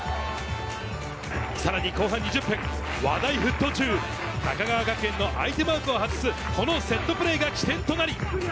さらに後半２０分、話題沸騰中、高川学園の相手マークを外す、このセットプレーが起点となり。